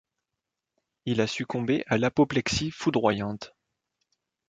Il a succombé à l’apoplexie foudroyante...